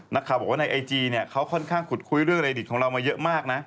นักข่าวบอกว่าในไอจีเนี่ยเขาค่อนข้างขุดคุยเรื่องเรดิตของเรามาเยอะมากนะ